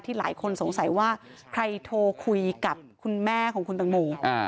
หลายคนสงสัยว่าใครโทรคุยกับคุณแม่ของคุณตังโม